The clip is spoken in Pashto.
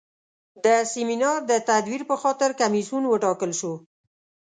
د سیمینار د تدویر په خاطر کمیسیون وټاکل شو.